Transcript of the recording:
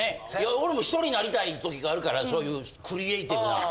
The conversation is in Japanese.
俺も１人になりたい時があるからそういうクリエイティブな。